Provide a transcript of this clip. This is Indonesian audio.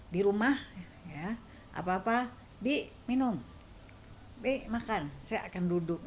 di rumah apa apa bik minum bik makan saya akan duduk